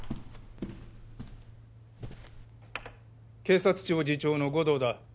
警察庁次長の護道だ